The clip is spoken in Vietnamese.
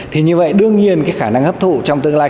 thì như vậy đương nhiên cái khả năng hấp thụ trong tương lai